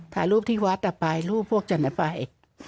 ถ่ายรูปที่วัดต่อไปรูปพวกจันทร์ไป